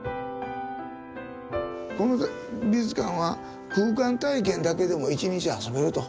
この美術館は空間体験だけでも一日遊べると。